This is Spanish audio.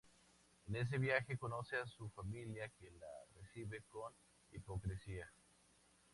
En ese viaje conoce a su familia, que la recibe con hipocresía.